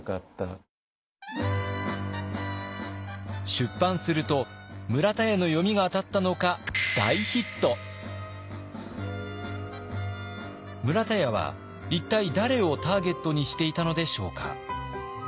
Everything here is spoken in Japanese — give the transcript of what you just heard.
出版すると村田屋の読みが当たったのか村田屋は一体誰をターゲットにしていたのでしょうか？